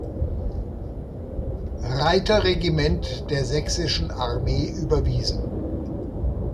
Reiter-Regiment der sächsischen Armee überwiesen.